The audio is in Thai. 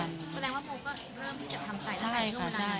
แสดงว่าหมอก็เริ่มที่จะทำใจ